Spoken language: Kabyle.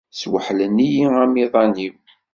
Sweḥlen-iyi amiḍan-iw.